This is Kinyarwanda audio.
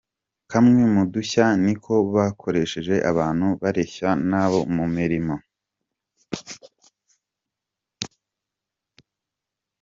Kamwe mu dushya ni uko bakoresheje abantu bareshya nabo mu mirimo.